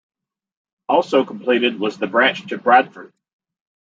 Also completed was the branch to Bradford.